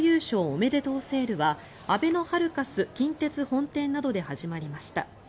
おめでとうセールはあべのハルカス近鉄本店などで始まりました。